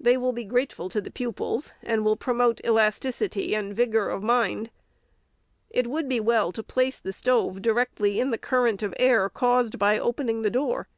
They will be grateful to the pupils, and will promote elas ticity and vigor of mind. It would be well to place the stove directly in the current of air caused by opening the door.